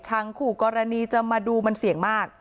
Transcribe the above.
คู่กรณีจะมาดูมันเสี่ยงมาก